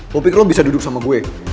kok pikir lo bisa duduk sama gue